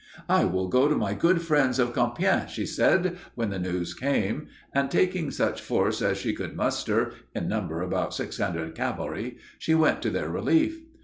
"I will go to my good friends of Compiègne," she said, when the news came; and taking such force as she could muster, in number about six hundred cavalry, she went to their relief.